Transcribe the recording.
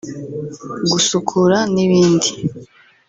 gusukura n’ibindi